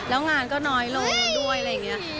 แล้วงานก็น้อยลงด้วยอะไรอย่างนี้